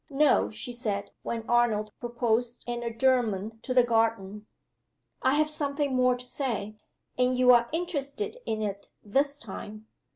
"No," she said, when Arnold proposed an adjournment to the garden; "I have something more to say, and you are interested in it, this time."